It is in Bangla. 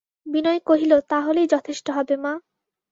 বিনয় কহিল, তা হলেই যথেষ্ট হবে মা!